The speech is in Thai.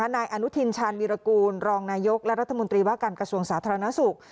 นายอนุทินชาญวีรกูลรองนายกและรัฐมนตรีว่าการกระทรวงสาธารณสุข